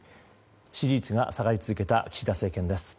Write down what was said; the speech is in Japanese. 支持率が下がり続けた岸田政権です。